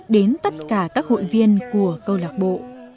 đến tất cả các hội viên của câu lạc bộ